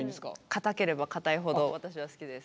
硬ければ硬いほど私は好きです。